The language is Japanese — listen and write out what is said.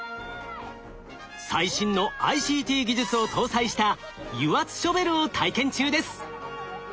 最新のＩＣＴ技術を搭載した油圧ショベルを体験中です。